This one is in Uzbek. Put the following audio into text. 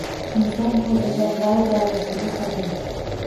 Inson fazilatlari doirasiga tabiiy.